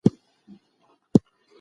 د لومړي ژباړن نوم باید ولیکل شي.